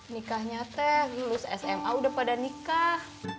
nikahnya teh lulus sma udah pada nikah